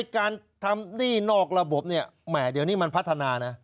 การทำหนี้นอกระบบเนี่ยแหมเดี๋ยวนี้มันพัฒนานะ